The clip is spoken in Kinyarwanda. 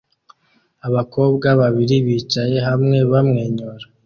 Abakobwa babiri bicaye hamwe bamwenyura